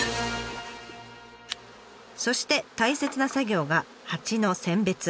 そして大切な作業が蜂の選別。